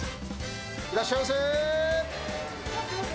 いらっしゃいませ。